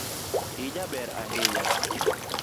Ijaber ahinya